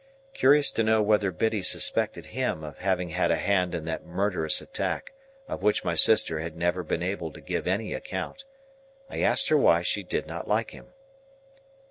Curious to know whether Biddy suspected him of having had a hand in that murderous attack of which my sister had never been able to give any account, I asked her why she did not like him.